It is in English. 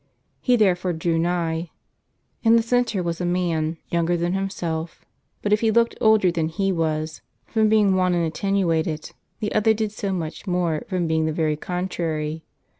He therefore drew nigh. In the centre was a man, younger than himself; but if he looked older than he was, from being wan and attenuated, the other did so much more from being the very contrary.